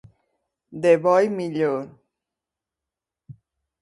De bo i millor.